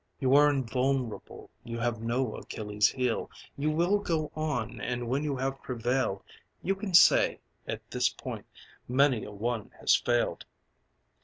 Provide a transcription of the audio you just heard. You are invulnerable, you have no Achilles' heel. You will go on, and when you have prevailed You can say: at this point many a one has failed.